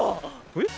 えっ？